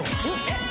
えっ？